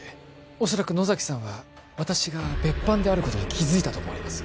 おそらく野崎さんは私が別班であることに気づいたと思われます